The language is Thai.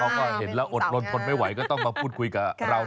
มันก็เห็นแล้วอดรนตนไม่ไหวก็ต้องมาพูดคุยกับเราน่ะ